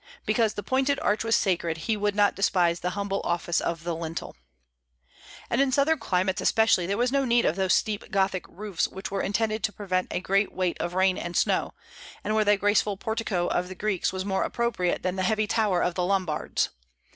"Because the pointed arch was sacred, he would not despise the humble office of the lintel." And in southern climates especially there was no need of those steep Gothic roofs which were intended to prevent a great weight of rain and snow, and where the graceful portico of the Greeks was more appropriate than the heavy tower of the Lombards.